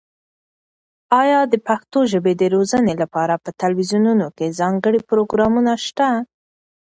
ایا د پښتو ژبې د روزنې لپاره په تلویزیونونو کې ځانګړي پروګرامونه شته؟